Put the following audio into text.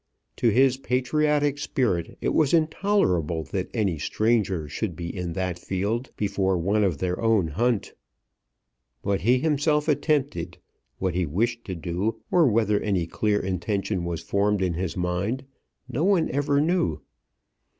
To his patriotic spirit it was intolerable that any stranger should be in that field before one of their own hunt. What he himself attempted, what he wished to do, or whether any clear intention was formed in his mind, no one ever knew.